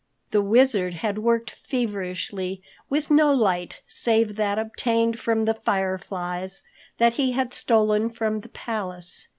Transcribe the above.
The Wizard had worked feverishly with no light save that obtained from the fireflies that he had stolen from the palace.